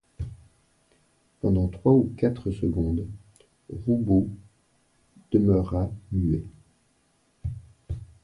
Pendant trois ou quatre secondes, Roubaud demeura muet.